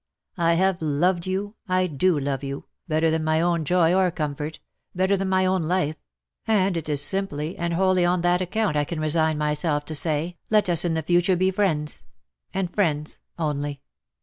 I have loved yon, I do love you, better than my own joy or comfort, better than my own life : and it is simply and wholly on that account I can resign myself to say, let us in the future be friends — and friends only.